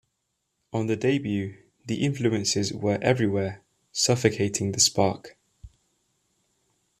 On the debut, the influences were everywhere, suffocating the spark.